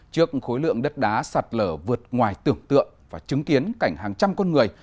trước khối lượng đất đá sạt lở vượt ngoài tưởng tượng và chứng kiến cảnh hàng trăm con người